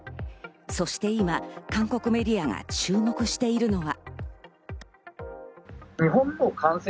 そして今、韓国メディアが注目しているのが。